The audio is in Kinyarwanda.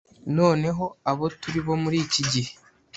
noneho abo turi bo muri iki gihe